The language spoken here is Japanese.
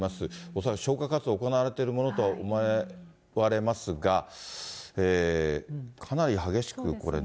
恐らく消火活動、行われているものと思われますが、かなり激しくこれね。